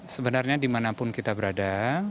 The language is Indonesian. sebenarnya dimanapun kita berada